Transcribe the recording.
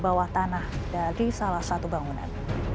yang bawa tanah dari salah satu bangunan